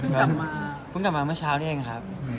เพิ่งกำม็อเมือเมือเช้านี้เองครับ